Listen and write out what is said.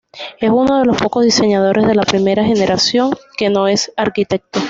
Es uno de los pocos diseñadores de la primera generación que no es arquitecto.